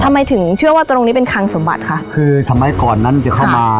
ทำไมถึงเชื่อว่าตรงนี้เป็นคังสมบัติคะคือสมัยก่อนนั้นจะเข้ามา